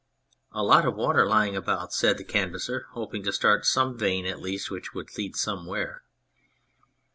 " A lot of water lying about," said the Canvasser, hoping to start some vein at least which would lead somewhere.